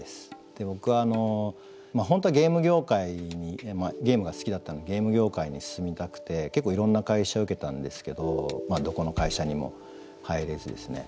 僕本当はゲーム業界にゲームが好きだったのでゲーム業界に進みたくて結構いろんな会社受けたんですけどどこの会社にも入れずですね。